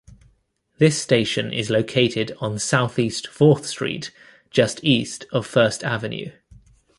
This station is located on Southeast Fourth Street just east of First Avenue.